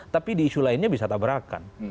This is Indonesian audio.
tapi di isu lainnya bisa tabrakan